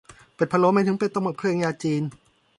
เป็ดพะโล้หมายถึงเป็ดต้มกับเครื่องยาจีน